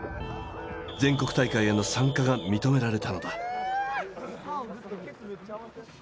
全国大会への参加が認められたのだ。